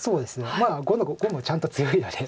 まあ碁もちゃんと強いので。